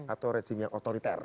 atau regime yang otoriter